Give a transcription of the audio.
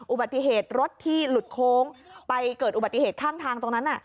อุบัติเหตุรถที่หลุดโค้งไปเกิดอุบัติเหตุข้างทางตรงนั้น